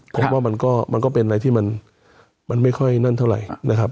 ผมว่ามันก็เป็นอะไรที่มันไม่ค่อยนั่นเท่าไหร่นะครับ